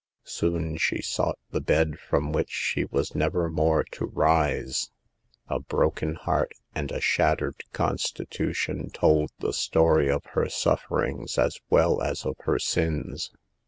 Soon she sought the bed from which she was never more to rise. A broken heart and a shattered con stitution told the story of her sufferings as well as of her sins.